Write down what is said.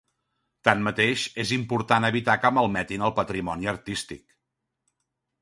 Tanmateix, és important evitar que malmetin el patrimoni artístic.